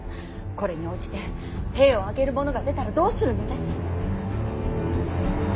これに応じて兵を挙げる者が出たらどうするのです。